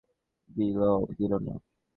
বিলও দিলো না।